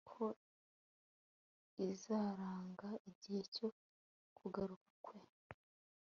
ko izaranga igihe cyo kugaruka kwe